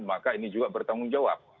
maka ini juga bertanggung jawab